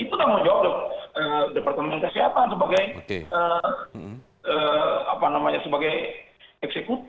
itu tanggung jawab departemen kesehatan sebagai eksekutif